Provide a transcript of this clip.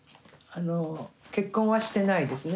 結婚はしてないですね。